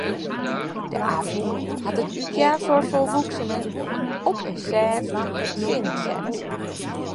De Afûk hat it útjaan foar folwoeksenen op in sêft sin set.